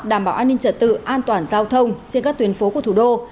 đảm bảo an ninh trật tự an toàn giao thông trên các tuyến phố của thủ đô